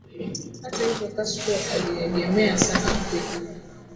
Hata hivyo Castro aliegemea sana Afrika